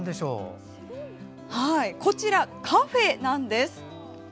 こちら、カフェなんです！